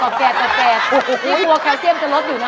ไม่้ควรแคลเซียมจะลดอยู่นะคะ